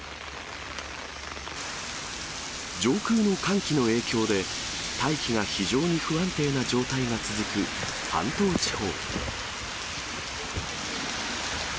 上空の寒気の影響で、大気が非常に不安定な状態が続く関東地方。